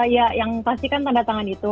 ya yang pasti kan tanda tangan itu